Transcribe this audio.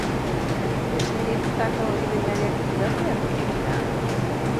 Telesailetako gidoilariak idazleak ote dira?